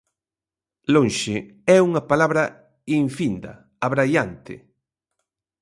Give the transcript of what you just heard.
Lonxe é unha palabra infinda, abraiante.